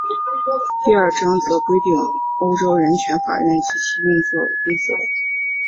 第二章则规定欧洲人权法院及其运作规则。